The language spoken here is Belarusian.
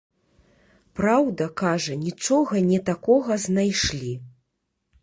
Праўда, кажа нічога не такога знайшлі.